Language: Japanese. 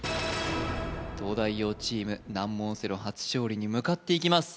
東大王チーム難問オセロ初勝利に向かっていきます